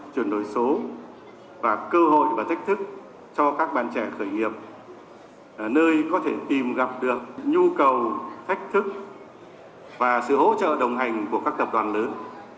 chuyển đổi số và cơ hội và thách thức cho các bạn trẻ khởi nghiệp nơi có thể tìm gặp được nhu cầu thách thức và sự hỗ trợ đồng hành của các tập đoàn lớn